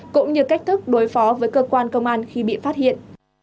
cũng như cách thức đối phó với cơ quan công an khi bị phát hiện